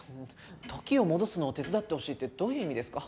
時を戻すのを手伝ってほしいってどういう意味ですか？